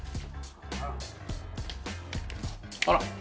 あら！